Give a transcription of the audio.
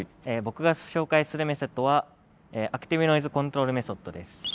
僕が紹介するメソッドはアクティブノイズコントロールメソッドです。